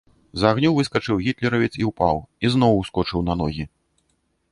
З агню выскачыў гітлеравец і ўпаў і зноў ускочыў на ногі.